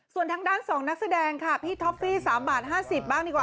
ส่วนทางด้าน๒นักแสดงค่ะพี่ท็อฟฟี่๓บาท๕๐บ้างดีกว่า